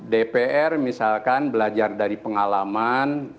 dpr misalkan belajar dari pengalaman